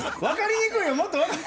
分かりにくいわ。